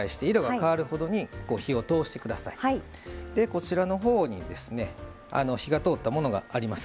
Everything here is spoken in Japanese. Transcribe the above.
こちらのほうにですね火が通ったものがあります。